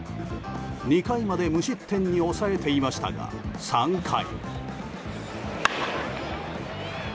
２回まで無失点に抑えていましたが３回。